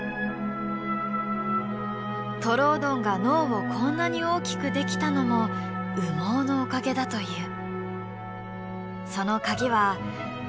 トロオドンが脳をこんなに大きくできたのも羽毛のおかげだという。